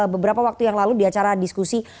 beberapa waktu yang lalu di acara diskusi